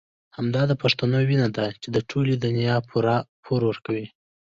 همدا د پښتنو وينه ده چې د ټولې دنيا پور ورکوي.